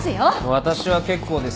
私は結構です。